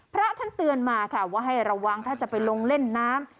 พระท่านเตือนมาค่ะว่าให้ระวังถ้าจะไปลงเล่นน้ำ